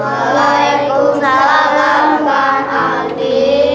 waalaikumsalam bang aldi